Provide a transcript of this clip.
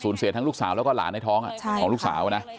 ศูนย์เสียทั้งลูกสาวและราลในท้องของลูกสาวนะ